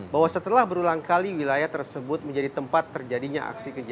bahwa setelah berulang kali wilayah tersebut menjadi tempat terjadi hukum